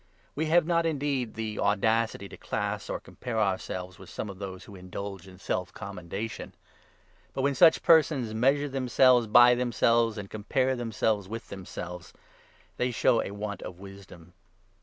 We have not indeed the audacity to class or 12 compare ourselves with some of those who indulge in self commendation ! But, when such persons measure themselves by themselves, and compare themselves with themselves, they show a want of wisdom.